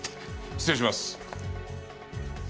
失礼します。